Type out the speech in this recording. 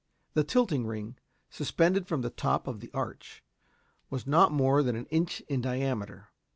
The tilting ring, suspended from the top of the arch, was not more than an inch in diameter.